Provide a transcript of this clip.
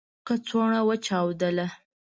کڅوړه و چاودله .